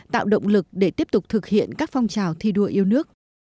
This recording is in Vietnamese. tạo động lực để tiếp tục thực hiện các phong trào thi đua yêu nước